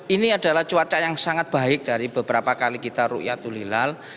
ini adalah cuaca yang sangat baik dari beberapa kali kita rukyat ulilal